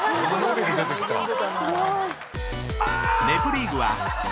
［『ネプリーグ』は］